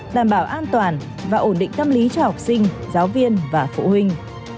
đảm bảo an toàn và ổn định tâm lý cho học sinh giáo viên và phụ huynh